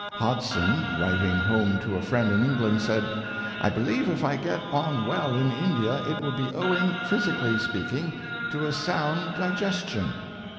Hodson, writing home to a friend in England, said, " I believe if I get on well in India, it will be owing, physically speaking, to a sound digestion."